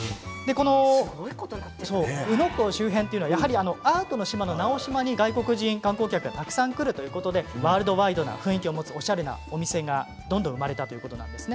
宇野港周辺にはアートの島の直島に外国人観光客がたくさん来るということでワールドワイドな雰囲気を持つおしゃれなお店がどんどん生まれたということです。